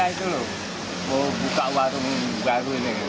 saya juga mau buka warung baru ini